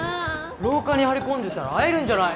廊下に張り込んでたら会えるんじゃない？